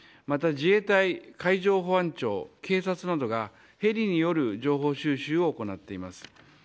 また自衛隊海上保安庁、警察などがヘリによる情報収集を行っています。